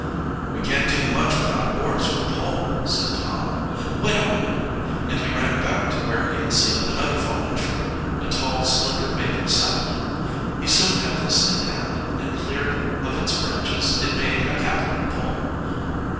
"We can't do much without oars or a pole," said Tom. "Wait a moment," and he ran back to where he had seen another fallen tree, a tall, slender maple sapling. He soon had this in hand; and, cleared of its branches, it made a capital pole.